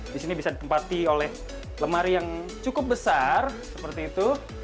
di sini bisa ditempati oleh lemari yang cukup besar seperti itu